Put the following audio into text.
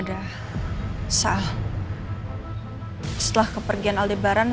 misalkan sudah pernah datang